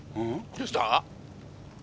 どうした？